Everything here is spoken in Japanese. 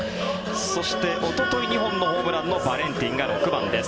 そして、おととい２本のホームランのバレンティンが６番です。